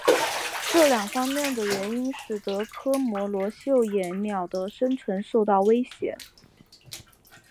这两方面的原因使得科摩罗绣眼鸟的生存受到威胁。